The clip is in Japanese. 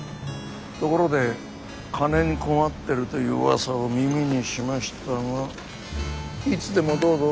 ところで金に困ってるといううわさを耳にしましたがいつでもどうぞ。